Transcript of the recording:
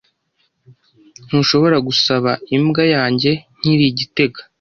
Ntushobora gusaba imbwa yanjye nkiri i gitega?